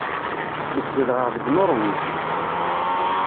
Nekk zedɣeɣ deg Nuṛwij.